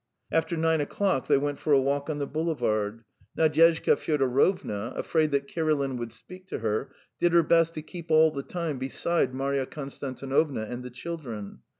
After nine o'clock they went for a walk on the boulevard. Nadyezhda Fyodorovna, afraid that Kirilin would speak to her, did her best to keep all the time beside Marya Konstantinovna and the children.